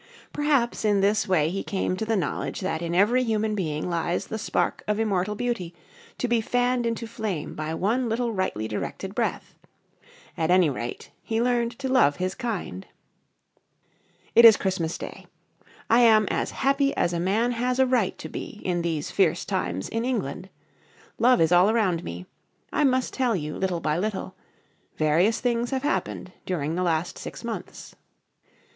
Perhaps, in this way, he came to the knowledge that in every human being lies the spark of immortal beauty, to be fanned into flame by one little rightly directed breath. At any rate, he learned to love his kind. It is Christmas day. I am as happy as a man has a right to be in these fierce times in England. Love is all around me. I must tell you little by little. Various things have happened during the last six months.